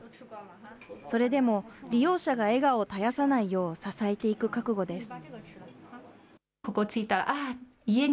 それでも、利用者が笑顔を絶やさないよう支えていく覚悟です。